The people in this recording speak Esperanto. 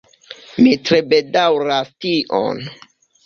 Mi tre bedaŭras tion.